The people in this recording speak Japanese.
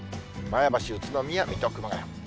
前橋、宇都宮、水戸、熊谷。